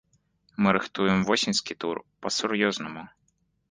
Мы рыхтуем восеньскі тур, па-сур'ёзнаму.